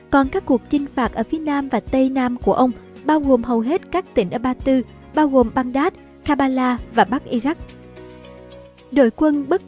còn các cuộc chinh phạt ở phía nam và tây nam của ông bao gồm hầu hết các tỉnh ở batu bao gồm baghdad kabbalah và bắc iraq